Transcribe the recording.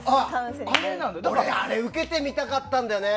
俺、あれを受けてみたかったんだよね。